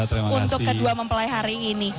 untuk kedua mempelai hari ini